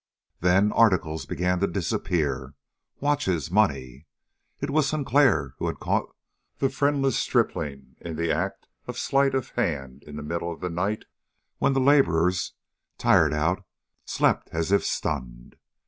Then articles began to disappear, watches, money. It was Sinclair who had caught the friendless stripling in the act of sleight of hand in the middle of the night when the laborers, tired out, slept as if stunned.